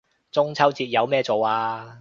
中秋節有咩做啊